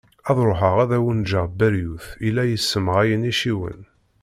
Ad ruḥeγ ad awen-ğğeγ berγut i la yessemγayen acciwen.